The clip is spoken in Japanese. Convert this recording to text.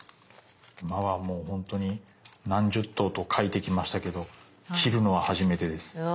馬はもうほんとに何十頭と描いてきましたけど切るのは初めてです。